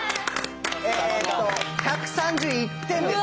えと１３１点です。